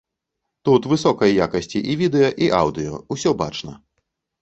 Тут высокай якасці і відэа і аўдыё, усё бачна.